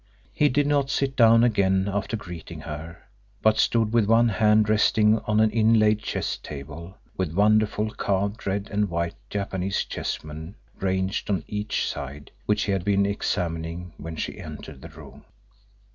He did not sit down again after greeting her, but stood with one hand resting on an inlaid chess table, with wonderful carved red and white Japanese chessmen ranged on each side, which he had been examining when she entered the room.